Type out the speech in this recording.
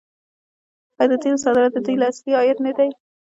آیا د تیلو صادرات د دوی اصلي عاید نه دی؟